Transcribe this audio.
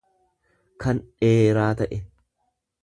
kan dheeraa ta'e.